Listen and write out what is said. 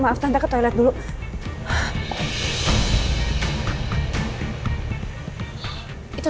maaf tante saya pergi ke toilet